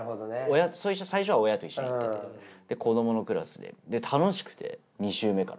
最初は親と一緒に行ってて子供のクラスでで楽しくて２週目から。